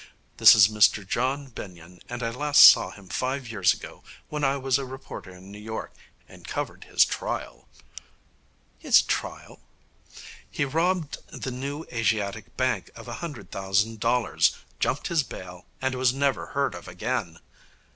This is Mr John Benyon, and I last saw him five years ago when I was a reporter in New York, and covered his trial.' 'His trial?' 'He robbed the New Asiatic Bank of a hundred thousand dollars, jumped his bail, and was never heard of again.'